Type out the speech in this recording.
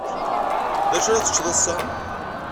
D acu ara teččeḍ ass-a?